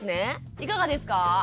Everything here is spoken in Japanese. いかがですか？